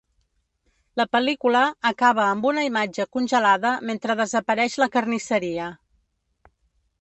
La pel·lícula acaba amb una imatge congelada mentre desapareix la carnisseria.